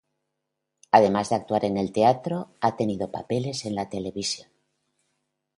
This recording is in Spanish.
Además de actuar en el teatro, ha tenido papeles en la televisión.